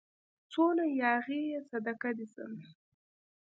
څونه ياغي يې صدقه دي سمه